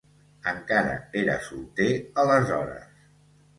Encara era solter aleshores.